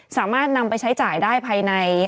สามารถนำไปใช้จ่ายได้ภายใน